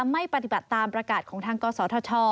ไม่ปฏิบัติตามประกาศของทางกศธช